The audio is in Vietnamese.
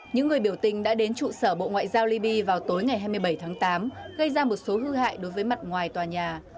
những người biểu tình đã đến trụ sở bộ ngoại giao liby vào tối ngày hai mươi bảy tháng tám gây ra một số hư hại đối với mặt ngoài tòa nhà